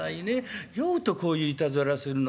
酔うとこういういたずらするの。